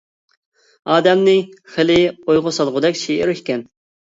ئادەمنى خېلى ئويغا سالغۇدەك شېئىر ئىكەن.